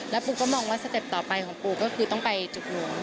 ปูก็มองว่าสเต็ปต่อไปของปูก็คือต้องไปจุกหลวง